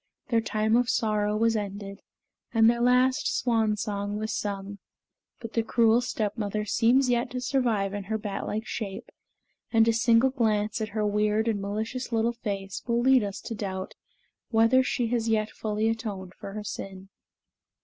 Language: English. Their time of sorrow was ended and their last swan song was sung; but the cruel stepmother seems yet to survive in her bat like shape, and a single glance at her weird and malicious little face will lead us to doubt whether she has yet fully atoned for her sin.